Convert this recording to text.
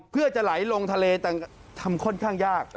เพื่อจะไหลลงทะเลแต่ทำค่อนข้างยาก